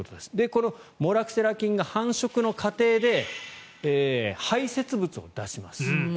このモラクセラ菌が繁殖の過程で排せつ物を出します。